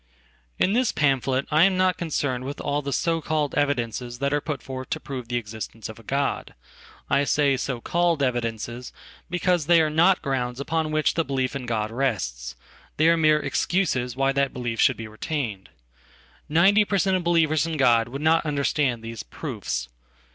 In this pamphlet I am not concerned with all the so calledevidences that are put forth to prove the existence of a God. I say"so called evidences," because they are not grounds upon which thebelief in God rests; they are mere excuses why that belief shouldbe retained. Ninety per cent. of believers in God would notunderstand these "proofs."